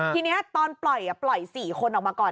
ทีนี้ตอนปล่อย๔คนออกมาก่อน